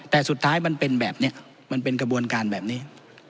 แต่สุดท้ายมันเป็นแบบนี้มันเป็นกระบวนการแบบนี้